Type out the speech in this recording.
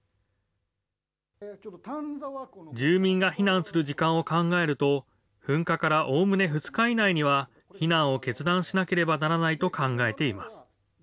住民が避難する時間を考えると、噴火からおおむね２日以内には避難を決断しなければならないと考えています。